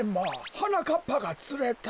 はなかっぱがつれた。